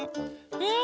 うん！